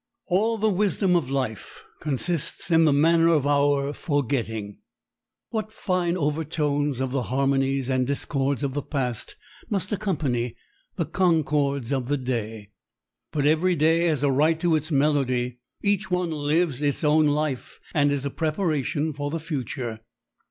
All the wisdom of life consists in the manner of our forgetting. What fine overtones of the harmonies and discords of the past must accompany the concords of the day! But every day has a right to its melody. Each one lives its own life and is a preparation for the future.